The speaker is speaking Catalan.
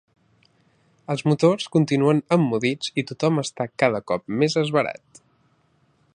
Els motors continuen emmudits i tothom està cada cop més esverat.